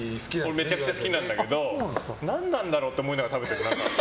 俺めちゃくちゃ好きなんだけど何なんだろうって思いながら食べてる。